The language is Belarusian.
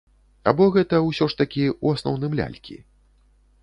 Або гэта, ўсё ж такі, у асноўным лялькі?